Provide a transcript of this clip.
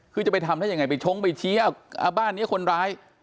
คือจะไปทำได้ยังไงไปชงไปชี้บ้านนี้คนร้าย